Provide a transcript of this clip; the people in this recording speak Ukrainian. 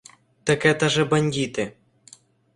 — Так ета же бандіти!